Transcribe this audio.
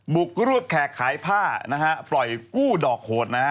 บุกรูดแขกขายผ้าปล่อยกู้ดอกโหด